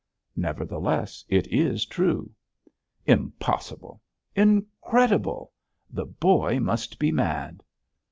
'Nevertheless, it is true!' 'Impossible! incredible! the boy must be mad!'